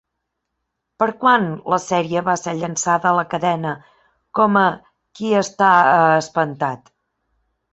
Per a quan la sèrie va ser llançada a la cadena com a Qui està a-a-espantat?